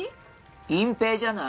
隠蔽じゃない？